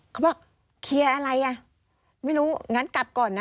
เขาบอกเคลียร์อะไรอ่ะไม่รู้งั้นกลับก่อนนะ